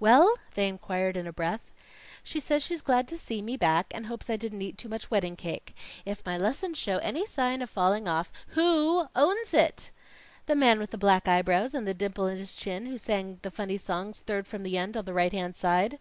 "Well?" they inquired in a breath. "She says she's glad to see me back, and hopes I didn't eat too much wedding cake. If my lessons show any falling off " "Who owns it?" "The man with the black eyebrows and the dimple in his chin who sang the funny songs third from the end on the right hand side."